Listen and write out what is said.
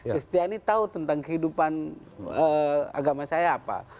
kristiani tahu tentang kehidupan agama saya apa